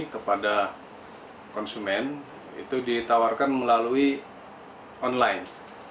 kepada konsumen itu ditawarkan melalui online